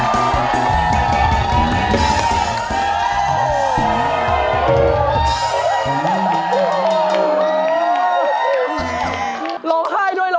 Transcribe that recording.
ร้องไห้ด้วยร้องไห้ด้วย